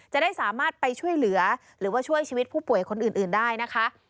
จะได้สามารถไปช่วยเหลือหรือว่าช่วยชีวิตผู้ป่วยคนอื่นได้นะคะ